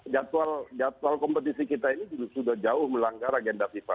jadwal kompetisi kita ini sudah jauh melanggar agenda fifa